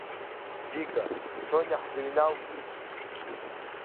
Вика, Сониа ҳзыҩналки?